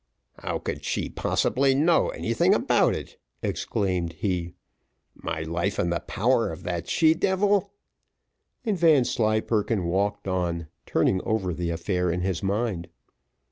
"How could she possibly know anything about it?" exclaimed he. "My life in the power of that she devil" And Vanslyperken walked on, turning over the affair in his mind.